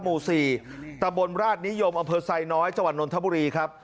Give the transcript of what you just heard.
หมู่๔ตะบนราชนิยมอำเภอไซน้อยจังหวัดนทบุรีครับ